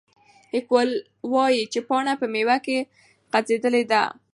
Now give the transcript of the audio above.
لیکوال وایي چې پاڼه په میوه کې غځېدلې ده.